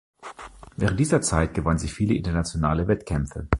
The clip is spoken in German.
Während dieser Zeit gewann sie viele internationale Wettkämpfe.